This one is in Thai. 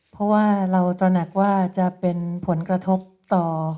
เพราะว่าเราตระหนักว่าจะเป็นผลกระทบต่อ